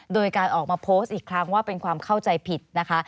โดยการออกมาโพสต์อีกครั้งว่าเป็นความเข้าใจผิดนะคะ